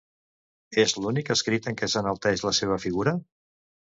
És l'únic escrit en què s'enalteix la seva figura?